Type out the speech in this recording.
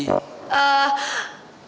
dari hati ke hati